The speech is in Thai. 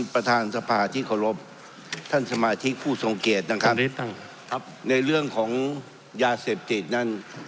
ประธานสภาที่ขอรบท่านสมาธิกษ์ผู้สงเกตนะครับครับในเรื่องของยาเสพติดนั่น